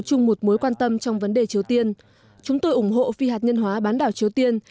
sự quan tâm trong vấn đề triều tiên chúng tôi ủng hộ phi hạt nhân hóa bán đảo triều tiên